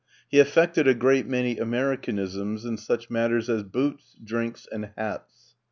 He affected a great many Americanisms in such matters as boots, drinks, and hats.